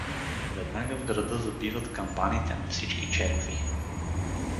Веднага в града забиват камбаните на всички черкви.